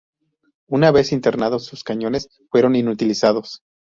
Una vez internados, sus cañones fueron inutilizados.